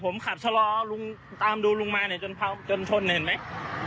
ผมขับชะลอตามดูลุงมาจนทนเห็นไหม